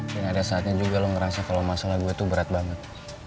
dan ada saatnya juga lo ngerasa kalau masalah gue tuh berat banget